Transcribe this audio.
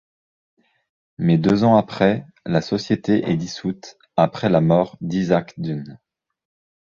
Mais deux ans après, la société est dissoute, après la mort d'Isaac Dunn.